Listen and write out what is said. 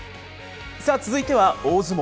続いては大相撲。